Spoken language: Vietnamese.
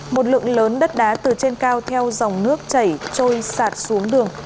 một lượng lớn đất đá từ trên cao theo dòng nước chảy trôi sạt xuống đường